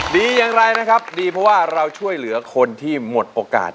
ดีอย่างไรนะครับดีเพราะว่าเราช่วยเหลือคนที่หมดโอกาส